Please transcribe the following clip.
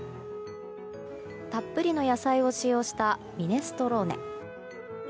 たっぷりの野菜を使用したミネストローネ。